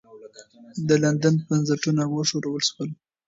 د لندن بنسټونه وښورول سول.